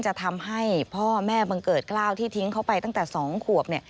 จะทำให้พ่อแม่บังเกิดกล้าวที่ทิ้งเขาไปตั้งแต่๒ขวบ